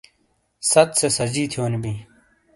ست سے سجی تھیونی بئے